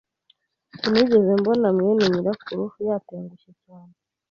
Sinigeze mbona mwene nyirakuru yatengushye cyane.